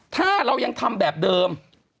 ถ้าเรายังทำแบบเดิม